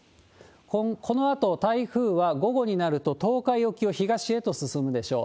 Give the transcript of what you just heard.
このあと、台風は午後になると東海沖を東へと進むでしょう。